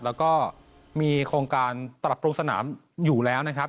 แล้วก็มีโครงการปรับปรุงสนามอยู่แล้วนะครับ